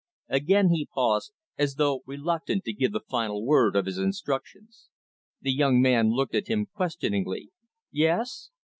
Again he paused, as though reluctant to give the final word of his instructions. The young man looked at him, questioningly. "Yes?"